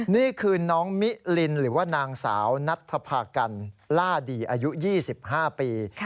นี่คือน้องมิลินหรือว่านางสาวนัทธภากันล่าดีอายุ๒๕ปี